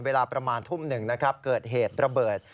เวลาประมาณทุ่ม๑เกิดเหตุระเบิด